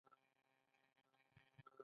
کروندګر د حاصل د ویش په اړه معلومات لري